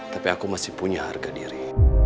tapi aku masih punya harga diri